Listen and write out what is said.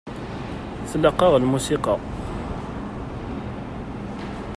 Tlaq-aɣ lmusiqa.